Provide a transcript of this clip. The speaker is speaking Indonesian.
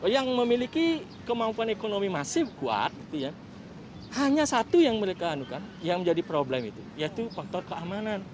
yang memiliki kemampuan ekonomi masif kuat hanya satu yang mereka anukan yang menjadi problem itu yaitu faktor keamanan